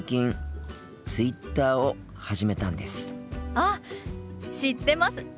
あっ知ってます。